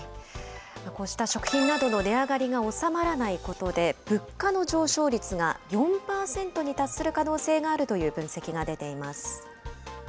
こうした食品などの値上がりが収まらないことで、物価の上昇率が４％に達する可能性があるという分析が出ています。